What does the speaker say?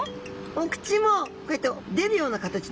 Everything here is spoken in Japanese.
お口もこうやって出るような形で。